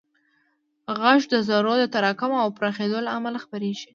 غږ د ذرّو د تراکم او پراخېدو له امله خپرېږي.